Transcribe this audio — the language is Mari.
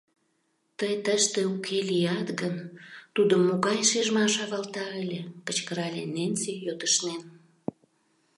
Тый тыште уке лият гын, тудым могай шижмаш авалта ыле? — кычкырале Ненси йотышнен.